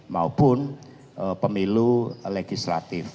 maupun pemilu legislatif